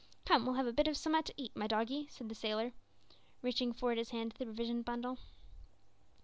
"Come, we'll have a bit of summat to eat, my doggie," said the sailor, reaching forward his hand to the provision bundle.